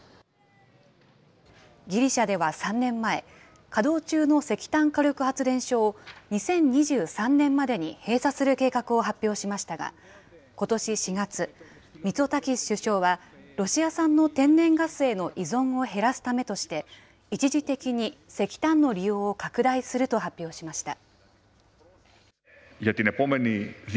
ギリシャでは３年前、稼働中の石炭火力発電所を、２０２３年までに閉鎖する計画を発表しましたが、ことし４月、ミツォタキス首相はロシア産の天然ガスへの依存を減らすためとして、一時的に石炭の利用を拡大すると発表しました。